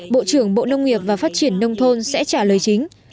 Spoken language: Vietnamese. bộ trưởng bộ nông nghiệp và phát triển nông thôn sẽ trả lời chính